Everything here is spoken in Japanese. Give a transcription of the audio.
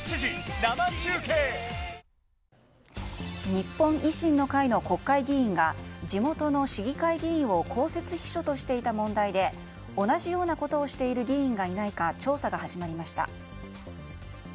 日本維新の会の国会議員が地元の市議会議員を公設秘書としていた問題で同じようなことをしている議員がいないか調査が始まりました。